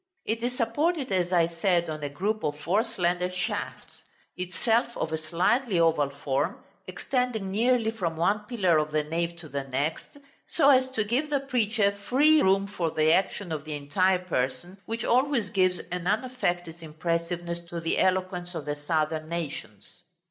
It is supported, as I said, on a group of four slender shafts; itself of a slightly oval form, extending nearly from one pillar of the nave to the next, so as to give the preacher free room for the action of the entire person, which always gives an unaffected impressiveness to the eloquence of the southern nations.